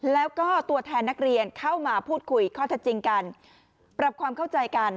แล้วก็ตัวแทนนักเรียนเข้ามาพูดคุยข้อเท็จจริงกันปรับความเข้าใจกัน